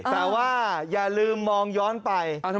แต่ว่าอย่าลืมมองย้อนไป